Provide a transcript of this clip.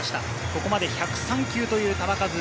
ここまで１０３球という球数。